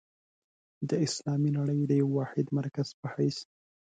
د اسلامي نړۍ د یوه واحد مرکز په حیث.